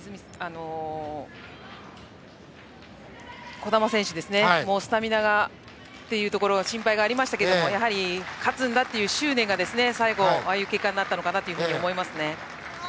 児玉選手、もうスタミナがという心配がありましたがやはり、勝つんだという執念が最後、ああいう結果になったのかなと思います。